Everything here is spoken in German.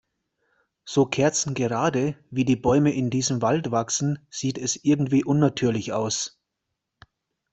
So kerzengerade, wie die Bäume in diesem Wald wachsen, sieht es irgendwie unnatürlich aus.